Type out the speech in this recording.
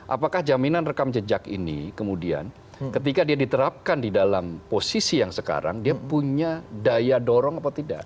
apakah jaminan rekam jejak ini kemudian ketika dia diterapkan di dalam posisi yang sekarang dia punya daya dorong atau tidak